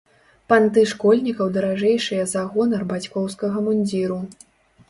Панты школьнікаў даражэйшыя за гонар бацькоўскага мундзіру.